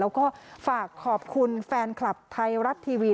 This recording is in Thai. แล้วก็ฝากขอบคุณแฟนคลับไทยรัฐทีวี